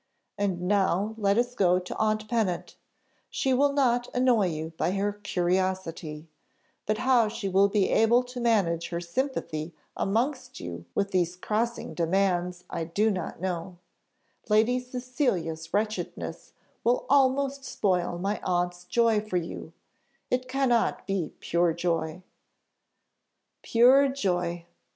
And now let us go to aunt Pennant: she will not annoy you by her curiosity, but how she will be able to manage her sympathy amongst you with these crossing demands I know not; Lady Cecilia's wretchedness will almost spoil my aunt's joy for you it cannot be pure joy." Pure joy!